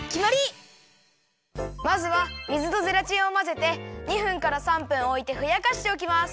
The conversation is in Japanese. まずは水とゼラチンをまぜて２分から３分おいてふやかしておきます。